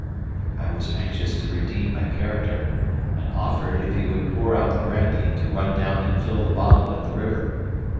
I was anxious to redeem my character, and offered, if he would pour out the brandy, to run down and fill the bottle at the river.